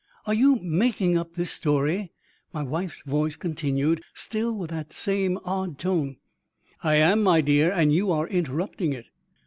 "Are you making up this story?" my wife's voice continued, still with the same odd tone. "I am, my dear, and you are interrupting it."